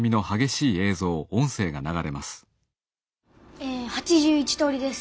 え８１通りです。